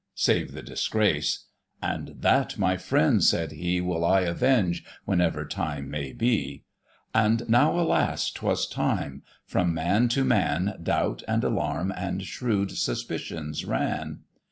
Save the disgrace; "and that, my friends," said he, "Will I avenge, whenever time may be." And now, alas! 'twas time: from man to man Doubt and alarm and shrewd suspicions ran.